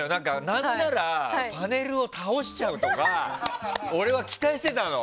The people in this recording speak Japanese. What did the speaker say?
何ならパネルを倒しちゃうとか俺は期待してたの。